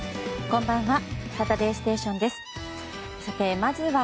こんばんは。